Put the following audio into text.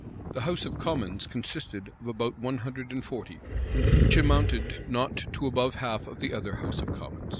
The house of commons consisted of about one hundred and forty; which amounted not to above half of the other house of commons.